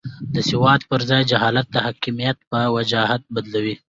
د سواد پر ځای جهالت د حاکمیت په وجاهت بدلوي.